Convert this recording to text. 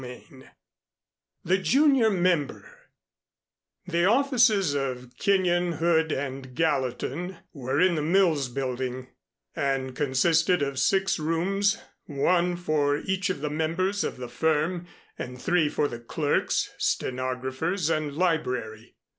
XIV THE JUNIOR MEMBER The offices of Kenyon, Hood and Gallatin were in the Mills Building, and consisted of six rooms, one for each of the members of the firm, and three for the clerks, stenographers and library.